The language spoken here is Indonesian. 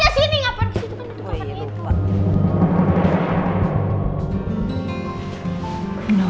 ngapain disitu kan itu kamarnya